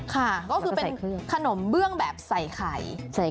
ค่ะก็คือเป็นขนมเบื้องแบบใส่ไข่